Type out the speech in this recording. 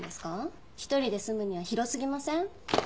一人で住むには広すぎません？